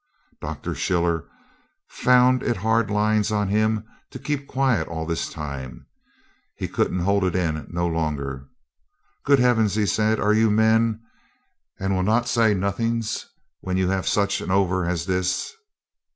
Dr. Schiller found it hard lines on him to keep quiet all this time he couldn't hold it in no longer. 'Good heafens!' he says, 'are you men, and will not say nodings when you haf such an ovver as dis?